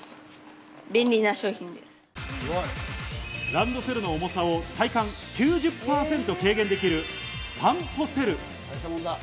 ランドセルの重さを体感９０％軽減できる、さんぽセル。